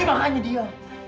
ini makanya dia